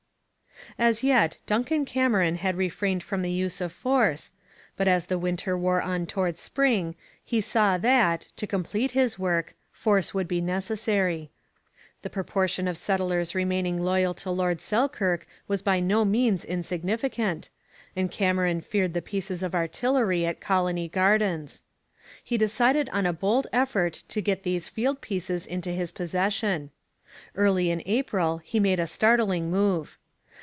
As yet Duncan Cameron had refrained from the use of force, but as winter wore on towards spring he saw that, to complete his work, force would be necessary. The proportion of settlers remaining loyal to Lord Selkirk was by no means insignificant, and Cameron feared the pieces of artillery at Colony Gardens. He decided on a bold effort to get these field pieces into his possession. Early in April he made a startling move.